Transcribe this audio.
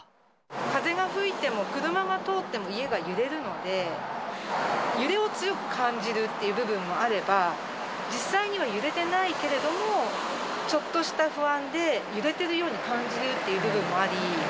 風が吹いても、車が通っても、家が揺れるので、揺れを強く感じるっていう部分もあれば、実際には揺れてないけれども、ちょっとした不安で揺れてるように感じるっていう部分もあり。